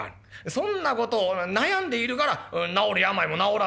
そんな事を悩んでいるから治る病も治らないんだ。